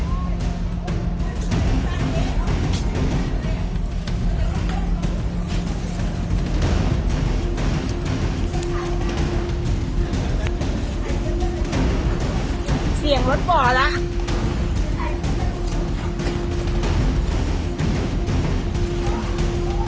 โอ้โฮโอ้โฮโอ้โฮโอ้โฮโอ้โฮโอ้โฮโอ้โฮ